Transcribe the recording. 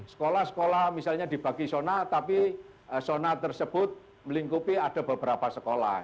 sekolah sekolah misalnya dibagi sona tapi zona tersebut melingkupi ada beberapa sekolah